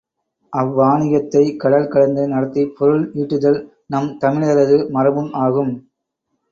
அவ்வாணிகத்தைக் கடல் கடந்து நடத்திப் பொருள் ஈட்டுதல் நம் தமிழரது மரபும் ஆகும்.